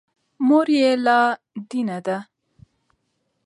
مور یې لادینه ده.